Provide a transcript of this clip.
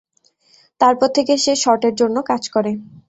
তারপর থেকে সে শট-এর জন্য কাজ করে।